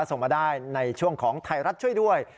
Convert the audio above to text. ส่งมาได้ในช่วงของไทยรัฐช่วยด้วย